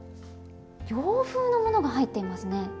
洋風のものが入っていますね。